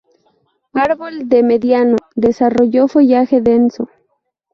Árbol de mediano desarrollo, follaje denso.